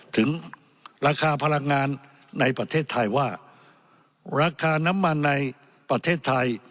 ถึงราคาพลังงานในประเทศไทยว่าราคาน้ำมันในประเทศไทย